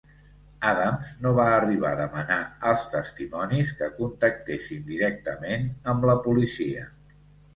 Adams no va arribar a demanar als testimonis que contactessin directament amb la policia.